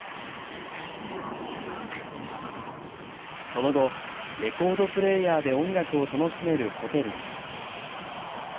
その後、レコードプレーヤーで音楽を楽しめるホテルに。